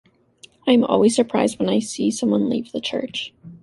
I am always surprised when I see someone leave the church.